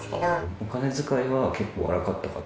お金遣いは結構荒かった？